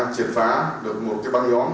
triệt phá được một cái băng nhóm